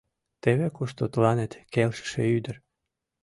Теве кушто тыланет келшыше ӱдыр.